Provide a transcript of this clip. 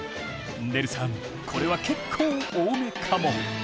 ねるさんこれは結構多めかも！